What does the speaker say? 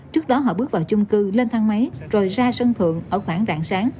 trước đó họ bước vào chung cư lên thang máy rồi ra sân thượng ở khoảng rạng sáng